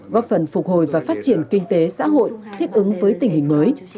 góp phần phục hồi và phát triển kinh tế xã hội thích ứng với tình hình mới